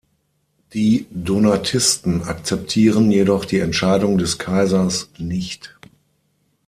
Die Donatisten akzeptierten jedoch die Entscheidung des Kaisers nicht.